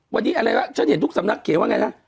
วันนี้อะไรวะฉันเห็นทุกสำนักเขียนว่าไงฮะ